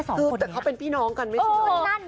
แต่เขาเป็นพี่น้องกันไม่ใช่เลย